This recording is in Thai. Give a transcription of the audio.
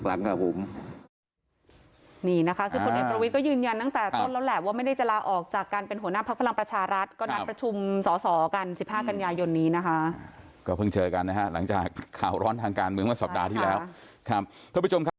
ยังไม่ถึงมันยังไม่ถึงอะไรก็อย่าเพิ่งมาถามดักหน้าดักหลังครับผม